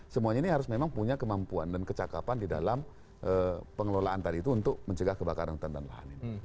semuanya ini harus memang punya kemampuan dan kecakapan di dalam pengelolaan tadi itu untuk mencegah kebakaran hutan dan lahan ini